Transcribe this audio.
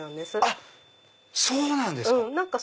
あっそうなんですか！